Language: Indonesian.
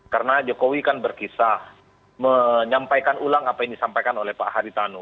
karena jokowi kan berkisah menyampaikan ulang apa yang disampaikan oleh pak haritanu